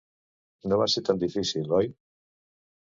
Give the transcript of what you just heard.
No va ser tan difícil, oi?